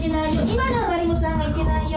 今のはマリモさんがいけないよ！